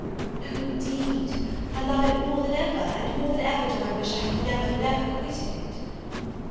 "No, indeed! I love it more than ever, and more than ever do I wish I had never, never quitted it!"